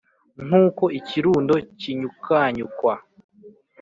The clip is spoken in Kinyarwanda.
Nk uko ikirundo kinyukanyukwa